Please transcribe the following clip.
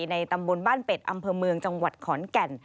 ในตำบลบ้านเป็ดอำเภอเมืองจังหวัดขอนแก่น